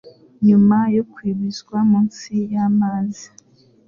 nyuma yo kwibizwa munsi y'amazi